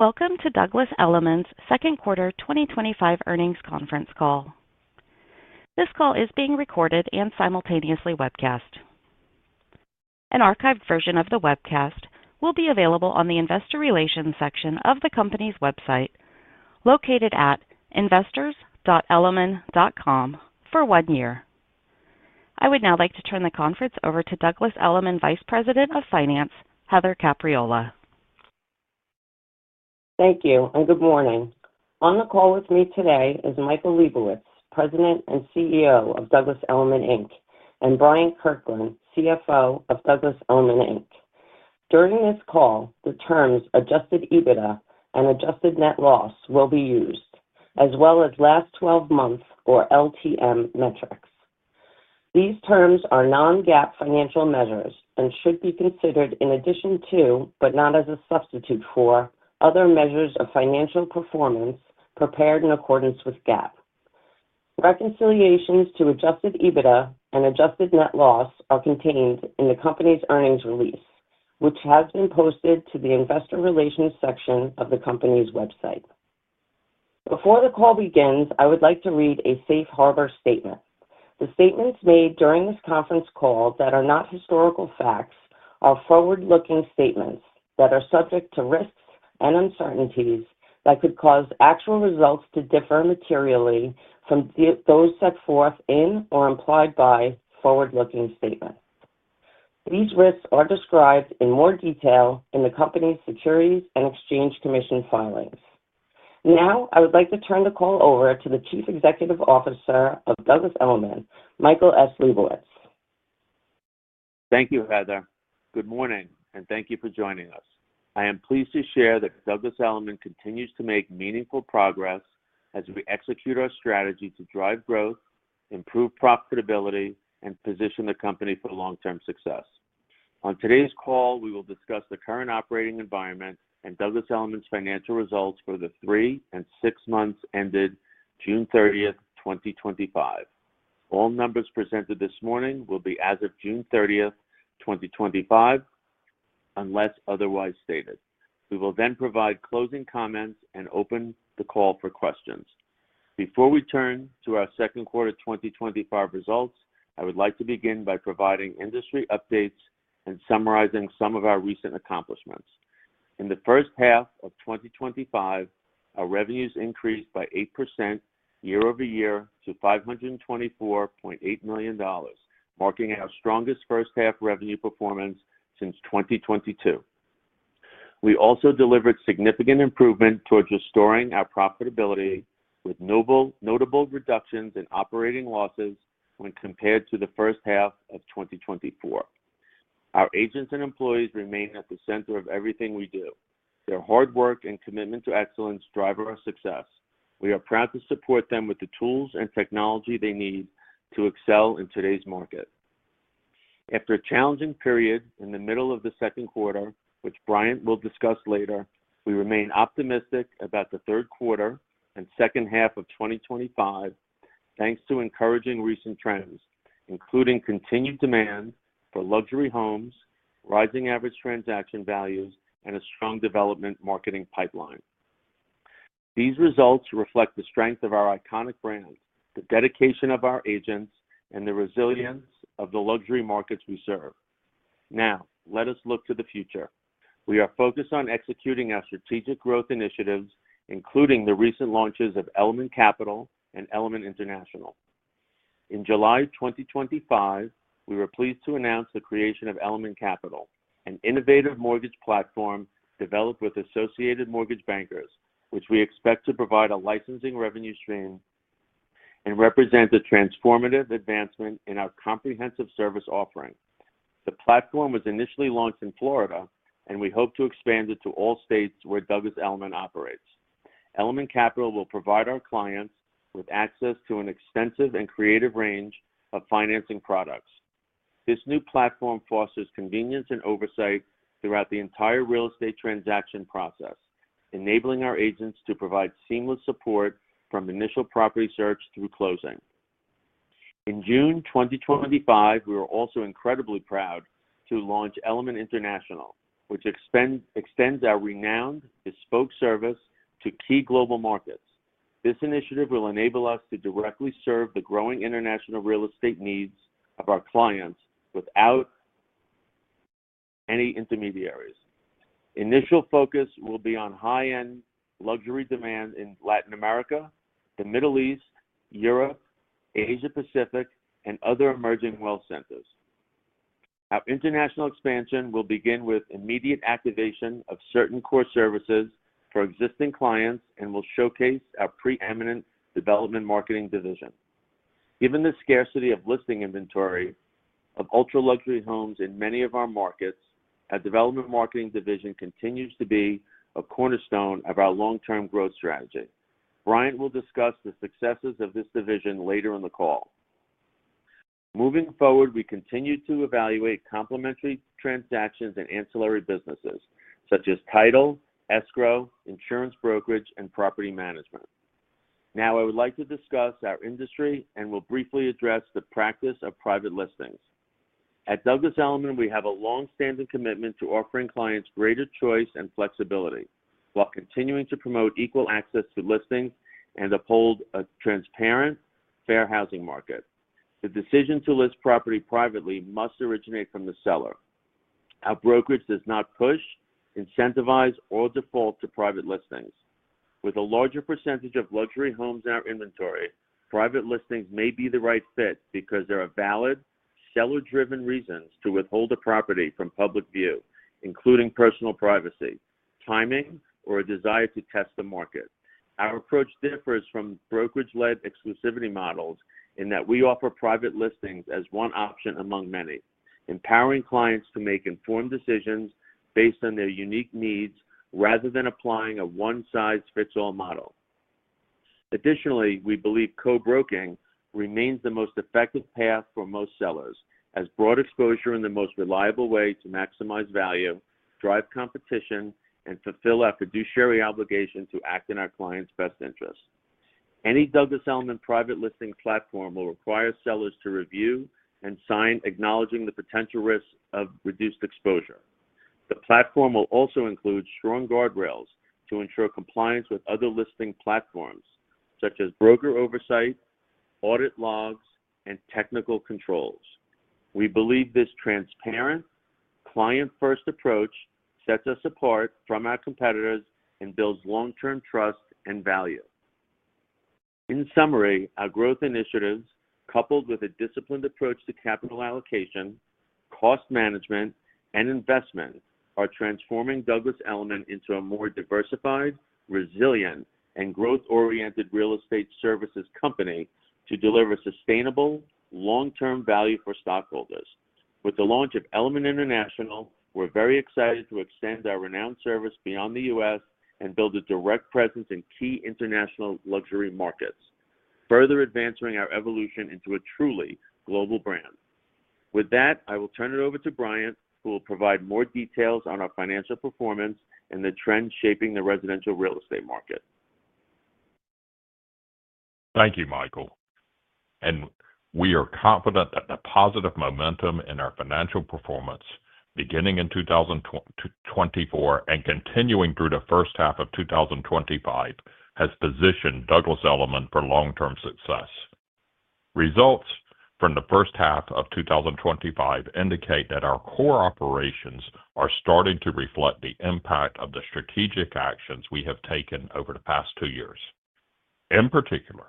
Welcome to Douglas Elliman Inc.'s second quarter 2025 earnings conference call. This call is being recorded and simultaneously webcast. An archived version of the webcast will be available on the Investor Relations section of the company's website, located at investors.elliman.com for one year. I would now like to turn the conference over to Douglas Elliman Inc. Vice President of Finance, Heather Capriola. Thank you, and good morning. On the call with me today is Michael S. Liebowitz, President and CEO of Douglas Elliman Inc., and Bryant Kirkland, CFO of Douglas Elliman Inc. During this call, the terms "adjusted EBITDA" and "adjusted net loss" will be used, as well as last 12 months or LTM metrics. These terms are non-GAAP financial measures and should be considered in addition to, but not as a substitute for, other measures of financial performance prepared in accordance with GAAP. Reconciliations to adjusted EBITDA and adjusted net loss are contained in the company's earnings release, which has been posted to the Investor Relations section of the company's website. Before the call begins, I would like to read a safe harbor statement. The statements made during this conference call that are not historical facts are forward-looking statements that are subject to risks and uncertainties that could cause actual results to differ materially from those set forth in or implied by forward-looking statements. These risks are described in more detail in the company's Securities and Exchange Commission filings. Now, I would like to turn the call over to the Chief Executive Officer of Douglas Elliman, Michael S. Liebowitz. Thank you, Heather. Good morning, and thank you for joining us. I am pleased to share that Douglas Elliman Inc. continues to make meaningful progress as we execute our strategy to drive growth, improve profitability, and position the company for long-term success. On today's call, we will discuss the current operating environment and Douglas Elliman Inc.'s financial results for the three and six months ended June 30th 2025. All numbers presented this morning will be as of June 30th, 2025, unless otherwise stated. We will then provide closing comments and open the call for questions. Before we turn to our second quarter 2025 results, I would like to begin by providing industry updates and summarizing some of our recent accomplishments. In the first half of 2025, our revenues increased by 8% year-over-year to $524.8 million, marking our strongest first-half revenue performance since 2022. We also delivered significant improvement towards restoring our profitability with notable reductions in operating losses when compared to the first half of 2024. Our agents and employees remain at the center of everything we do. Their hard work and commitment to excellence drive our success. We are proud to support them with the tools and technology they need to excel in today's market. After a challenging period in the middle of the second quarter, which Bryant Kirkland will discuss later, we remain optimistic about the third quarter and second half of 2025, thanks to encouraging recent trends, including continued demand for luxury homes, rising average transaction values, and a strong development marketing pipeline. These results reflect the strength of our iconic brand, the dedication of our agents, and the resilience of the luxury markets we serve. Now, let us look to the future. We are focused on executing our strategic growth initiatives, including the recent launches of Elliman Capital and Elliman International. In July 2025, we were pleased to announce the creation of Elliman Capital, an innovative mortgage platform developed with associated mortgage bankers, which we expect to provide a licensing revenue stream and represent a transformative advancement in our comprehensive service offering. The platform was initially launched in Florida, and we hope to expand it to all states where Douglas Elliman Inc. operates. Elliman Capital will provide our clients with access to an extensive and creative range of financing products. This new platform fosters convenience and oversight throughout the entire real estate transaction process, enabling our agents to provide seamless support from initial property search through closing. In June 2025, we are also incredibly proud to launch Elliman International, which extends our renowned bespoke service to key global markets. This initiative will enable us to directly serve the growing international real estate needs of our clients without any intermediaries. Initial focus will be on high-end luxury demand in Latin America, the Middle East, Europe, Asia-Pacific, and other emerging wealth centers. Our international expansion will begin with immediate activation of certain core services for existing clients and will showcase our preeminent development marketing division. Given the scarcity of listing inventory of ultra-luxury homes in many of our markets, our development marketing division continues to be a cornerstone of our long-term growth strategy. Bryant will discuss the successes of this division later in the call. Moving forward, we continue to evaluate complementary transactions and ancillary businesses, such as title, escrow, insurance services, and property management. Now, I would like to discuss our industry and will briefly address the practice of private listings. At Douglas Elliman, we have a longstanding commitment to offering clients greater choice and flexibility while continuing to promote equal access to listings and uphold a transparent, fair housing market. The decision to list property privately must originate from the seller. Our brokerage does not push, incentivize, or default to private listings. With a larger percentage of luxury homes in our inventory, private listings may be the right fit because there are valid, seller-driven reasons to withhold a property from public view, including personal privacy, timing, or a desire to test the market. Our approach differs from brokerage-led exclusivity models in that we offer private listings as one option among many, empowering clients to make informed decisions based on their unique needs rather than applying a one-size-fits-all model. Additionally, we believe co-broking remains the most effective path for most sellers, as broad exposure is the most reliable way to maximize value, drive competition, and fulfill our fiduciary obligation to act in our clients' best interests. Any Douglas Elliman private listing platform will require sellers to review and sign acknowledging the potential risks of reduced exposure. The platform will also include strong guardrails to ensure compliance with other listing platforms, such as broker oversight, audit logs, and technical controls. We believe this transparent, client-first approach sets us apart from our competitors and builds long-term trust and value. In summary, our growth initiatives, coupled with a disciplined approach to capital allocation, cost management, and investment, are transforming Douglas Elliman into a more diversified, resilient, and growth-oriented real estate services company to deliver sustainable, long-term value for stockholders. With the launch of Elliman International, we're very excited to extend our renowned service beyond the U.S. and build a direct presence in key international luxury markets, further advancing our evolution into a truly global brand. With that, I will turn it over to Bryant, who will provide more details on our financial performance and the trends shaping the residential real estate market. Thank you, Michael. We are confident that the positive momentum in our financial performance beginning in 2024 and continuing through the first half of 2025 has positioned Douglas Elliman for long-term success. Results from the first half of 2025 indicate that our core operations are starting to reflect the impact of the strategic actions we have taken over the past two years. In particular,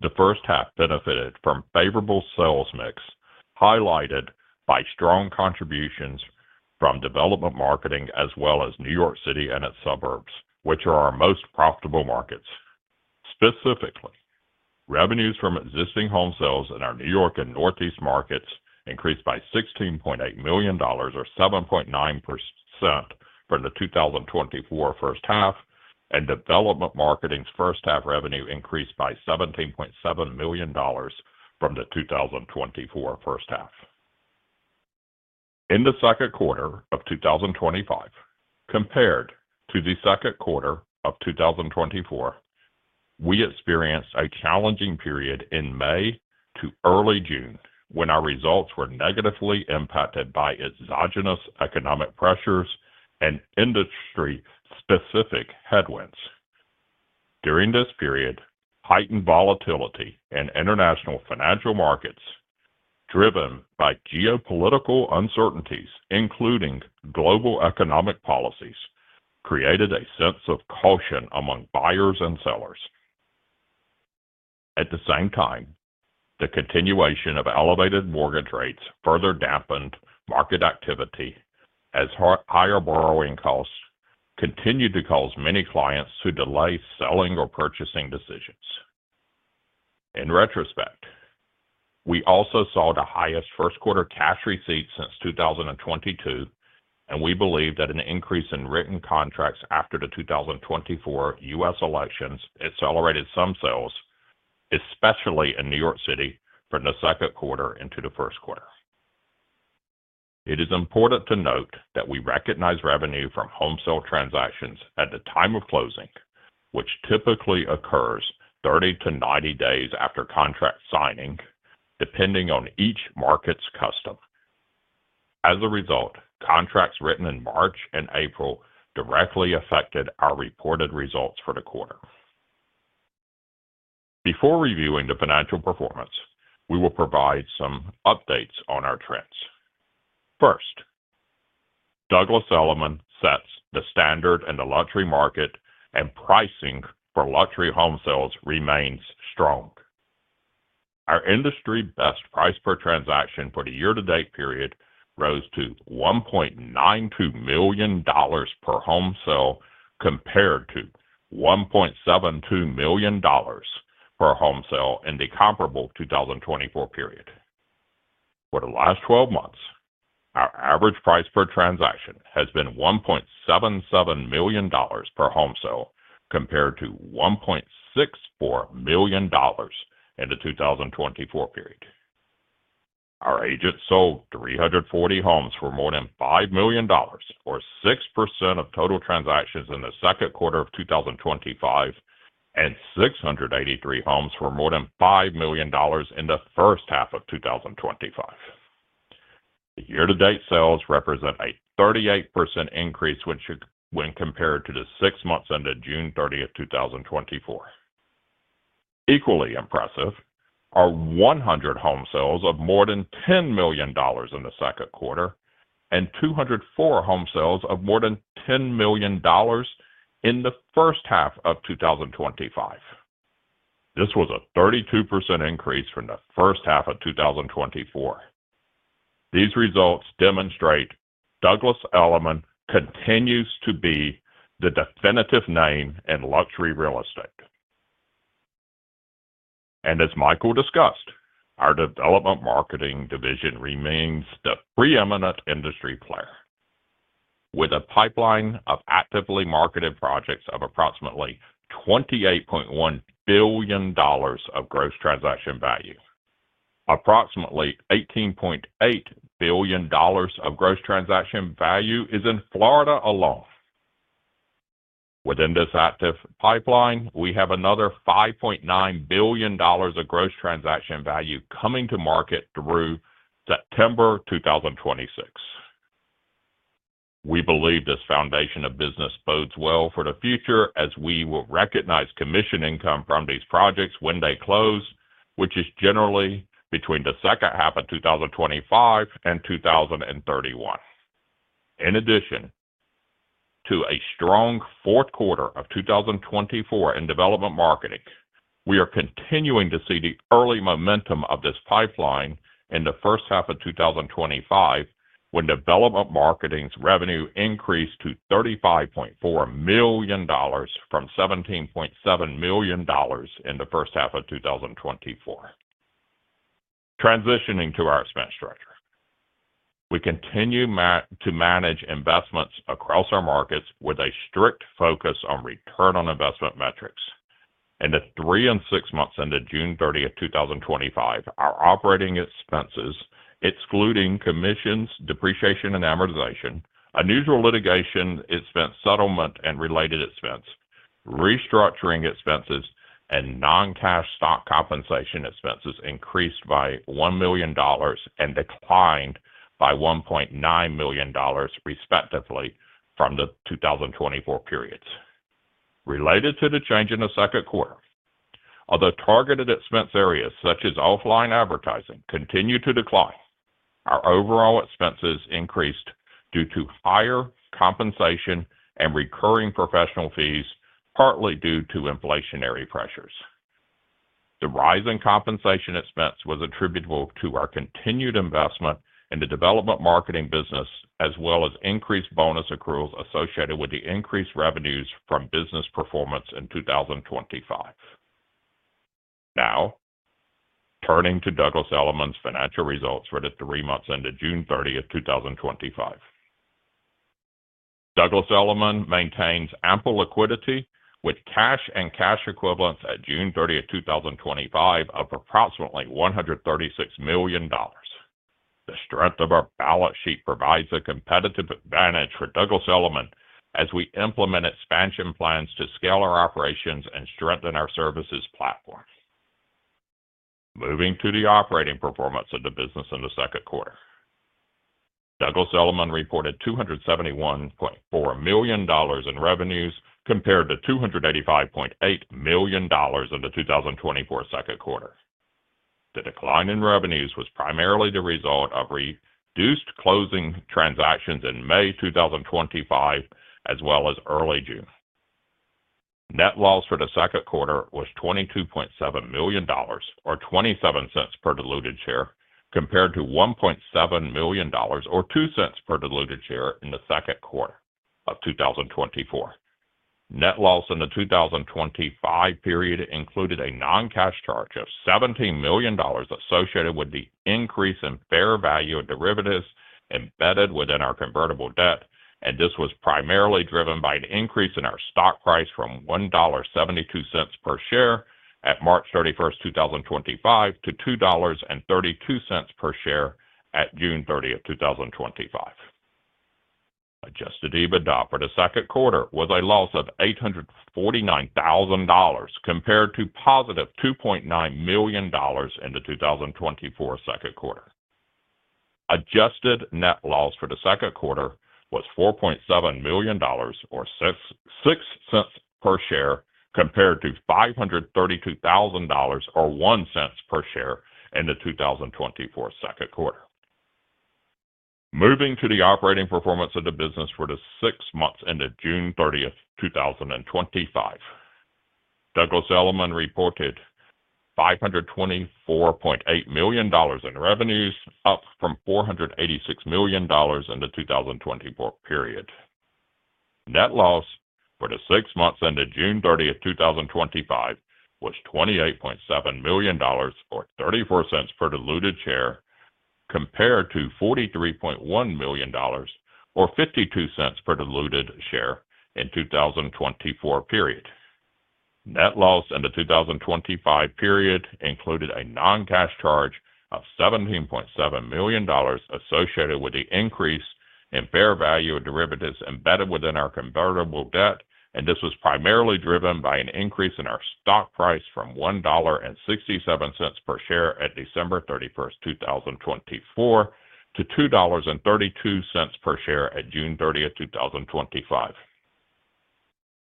the first half benefited from favorable sales mix highlighted by strong contributions from development marketing as well as New York City and its suburbs, which are our most profitable markets. Specifically, revenues from existing home sales in our New York and Northeast markets increased by $16.8 million, or 7.9% from the 2024 first half, and development marketing's first half revenue increased by $17.7 million from the 2024 first half. In the second quarter of 2025, compared to the second quarter of 2024, we experienced a challenging period in May to early June when our results were negatively impacted by exogenous economic pressures and industry-specific headwinds. During this period, heightened volatility in international financial markets, driven by geopolitical uncertainties, including global economic policies, created a sense of caution among buyers and sellers. At the same time, the continuation of elevated mortgage rates further dampened market activity, as higher borrowing costs continued to cause many clients to delay selling or purchasing decisions. In retrospect, we also saw the highest first-quarter cash receipts since 2022, and we believe that an increase in written contracts after the 2024 U.S. elections accelerated some sales, especially in New York City, from the second quarter into the first quarter. It is important to note that we recognize revenue from home sale transactions at the time of closing, which typically occurs 30 to 90 days after contract signing, depending on each market's custom. As a result, contracts written in March and April directly affected our reported results for the quarter. Before reviewing the financial performance, we will provide some updates on our trends. First, Douglas Elliman sets the standard in the luxury market, and pricing for luxury home sales remains strong. Our industry best price per transaction for the year-to-date period rose to $1.92 million per home sale compared to $1.72 million per home sale in the comparable 2024 period. For the last 12 months, our average price per transaction has been $1.77 million per home sale compared to $1.64 million in the 2024 period. Our agents sold 340 homes for more than $5 million, or 6% of total transactions in the second quarter of 2025, and 683 homes for more than $5 million in the first half of 2025. The year-to-date sales represent a 38% increase when compared to the six months under June 30, 2024. Equally impressive are 100 home sales of more than $10 million in the second quarter and 204 home sales of more than $10 million in the first half of 2025. This was a 32% increase from the first half of 2024. These results demonstrate Douglas Elliman continues to be the definitive name in luxury real estate. As Michael discussed, our development marketing division remains the preeminent industry player. With a pipeline of actively marketed projects of approximately $28.1 billion of gross transaction value, approximately $18.8 billion of gross transaction value is in Florida alone. Within this active pipeline, we have another $5.9 billion of gross transaction value coming to market through September 2026. We believe this foundation of business bodes well for the future as we will recognize commission income from these projects when they close, which is generally between the second half of 2025 and 2031. In addition to a strong fourth quarter of 2024 in development marketing, we are continuing to see the early momentum of this pipeline in the first half of 2025 when development marketing's revenue increased to $35.4 million from $17.7 million in the first half of 2024. Transitioning to our expense structure, we continue to manage investments across our markets with a strict focus on return on investment metrics. In the three and six months ended June 30th, 2025, our operating expenses, excluding commissions, depreciation and amortization, unusual litigation, expense settlement and related expenses, restructuring expenses, and non-cash stock compensation expenses, increased by $1 million and declined by $1.9 million, respectively, from the 2024 periods. Related to the change in the second quarter, although targeted expense areas such as offline advertising continue to decline, our overall expenses increased due to higher compensation and recurring professional fees, partly due to inflationary pressures. The rise in compensation expense was attributable to our continued investment in the development marketing business, as well as increased bonus accruals associated with the increased revenues from business performance in 2025. Now, turning to Douglas Elliman Inc.'s financial results for the three months ended June 30th, 2025. Douglas Elliman Inc. maintains ample liquidity with cash and cash equivalents at June 30, 2025, of approximately $136 million. The strength of our balance sheet provides a competitive advantage for Douglas Elliman Inc. as we implement expansion plans to scale our operations and strengthen our services platform. Moving to the operating performance of the business in the second quarter, Douglas Elliman Inc. reported $271.4 million in revenues compared to $285.8 million in the 2024 second quarter. The decline in revenues was primarily the result of reduced closing transactions in May 2025, as well as early June. Net loss for the second quarter was $22.7 million, or $0.27 per diluted share, compared to $1.7 million, or $0.02 per diluted share in the second quarter of 2024. Net loss in the 2025 period included a non-cash charge of $17 million associated with the increase in fair value of derivatives embedded within our convertible debt, and this was primarily driven by an increase in our stock price from $1.72 per share at March 31, 2025, to $2.32 per share at June 30, 2025. Adjusted EBITDA for the second quarter was a loss of $849,000 compared to positive $2.9 million in the 2024 second quarter. Adjusted net loss for the second quarter was $4.7 million, or $0.06 per share, compared to $532,000, or $0.01 per share in the 2024 second quarter. Moving to the operating performance of the business for the six months ended June 30th, 2025, Douglas Elliman Inc. reported $524.8 million in revenues, up from $486 million in the 2024 period. Net loss for the six months ended June 30th, 2025 was $28.7 million, or $0.34 per diluted share, compared to $43.1 million, or $0.52 per diluted share in the 2024 period. Net loss in the 2025 period included a non-cash charge of $17.7 million associated with the increase in fair value of derivatives embedded within our convertible debt, and this was primarily driven by an increase in our stock price from $1.67 per share at December 31st, 2024, to $2.32 per share at June 30th, 2025.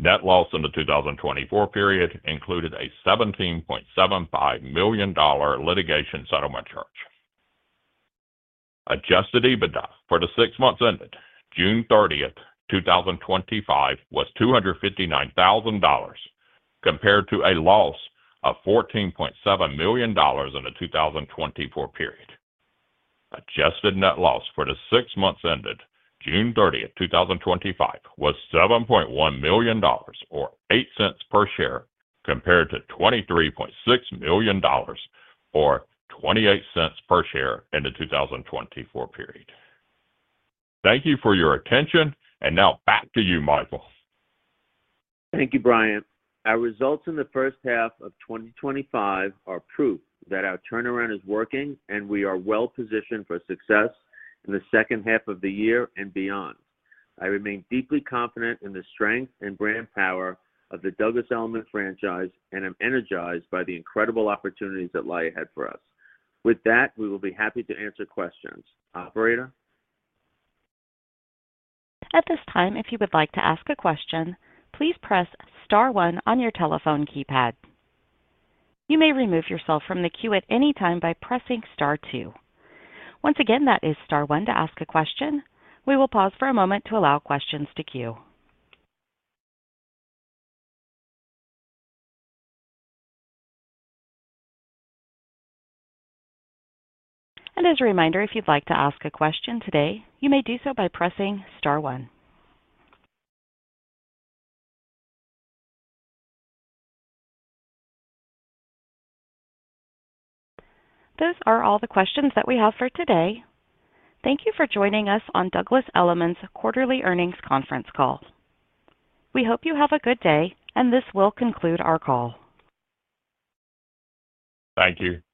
Net loss in the 2024 period included a $17.75 million litigation settlement charge. Adjusted EBITDA for the six months ended June 30th, 2025 was $259,000, compared to a loss of $14.7 million in the 2024 period. Adjusted net loss for the six months ended June 30, 2025 was $7.1 million, or $0.08 per share, compared to $23.6 million, or $0.28 per share in the 2024 period. Thank you for your attention, and now back to you, Michael. Thank you, Bryant. Our results in the first half of 2025 are proof that our turnaround is working, and we are well positioned for success in the second half of the year and beyond. I remain deeply confident in the strength and brand power of the Douglas Elliman franchise, and I'm energized by the incredible opportunities that lie ahead for us. With that, we will be happy to answer questions. Operator? At this time, if you would like to ask a question, please press Star one on your telephone keypad. You may remove yourself from the queue at any time by pressing Star two. Once again, that is Star one to ask a question. We will pause for a moment to allow questions to queue. As a reminder, if you'd like to ask a question today, you may do so by pressing Star one. Those are all the questions that we have for today. Thank you for joining us on Douglas Elliman Inc.'s quarterly earnings conference call. We hope you have a good day, and this will conclude our call. Thank you. Thank you.